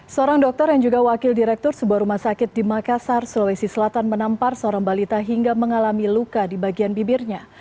seorang dokter yang juga wakil direktur sebuah rumah sakit di makassar sulawesi selatan menampar seorang balita hingga mengalami luka di bagian bibirnya